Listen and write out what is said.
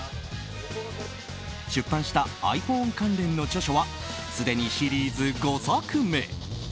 出版したｉＰｈｏｎｅ関連の著書はすでにシリーズ５作目。